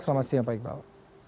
selamat siang pak iqbal